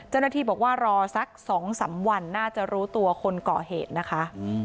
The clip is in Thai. เจ้าหน้าที่บอกว่ารอสัก๒๓วันน่าจะรู้ตัวคนก่อเหตุนะคะ